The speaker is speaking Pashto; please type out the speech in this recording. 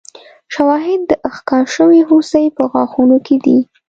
شواهد د ښکار شوې هوسۍ په غاښونو کې دي.